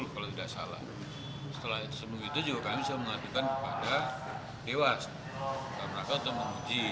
sepuluh kalau tidak salah setelah itu juga bisa mengajukan kepada dewasa mereka untuk menguji